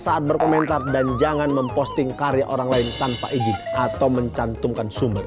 saat berkomentar dan jangan memposting karya orang lain tanpa izin atau mencantumkan sumber